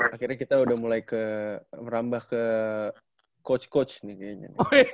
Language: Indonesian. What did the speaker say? akhirnya kita udah mulai ke merambah ke coach coach nih kayaknya